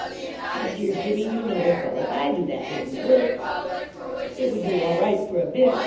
"My dear Jimmy, you know as well as I do that that wouldn't work. It would do all right for a bit.